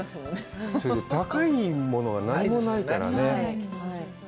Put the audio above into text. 高いものが何もないからね。